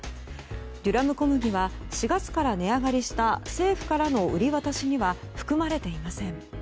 デュラム小麦は４月から値上がりした政府からの売り渡しには含まれていません。